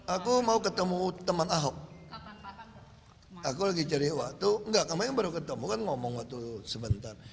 aku mau ketemu teman ahok aku lagi cari waktu enggak kamu yang baru ketemu kan ngomong waktu sebentar